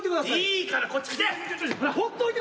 いいからこっち来て！